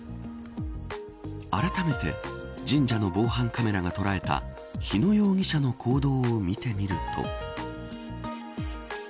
あらためて神社の防犯カメラが捉えた日野容疑者の行動を見てみると。